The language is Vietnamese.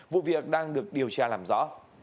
vụ việc đang được điều tra làm rõ